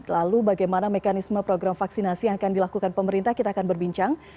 lalu bagaimana mekanisme program vaksinasi yang akan dilakukan pemerintah kita akan berbincang